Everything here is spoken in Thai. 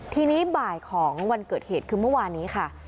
ทีนี้บ่ายของวันเกิดเหตุคือเมื่อวานนี้ค่ะ